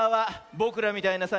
ぼくらみたいなさ